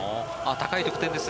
高い得点です。